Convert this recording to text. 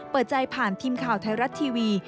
เปิดใจผ่านทีมข่าวไทยรัฐทีวี